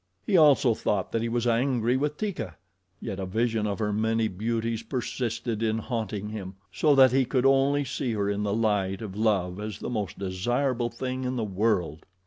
He also thought that he was angry with Teeka, yet a vision of her many beauties persisted in haunting him, so that he could only see her in the light of love as the most desirable thing in the world.